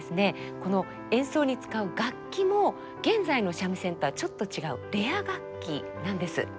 この演奏に使う楽器も現在の三味線とはちょっと違うレア楽器なんです。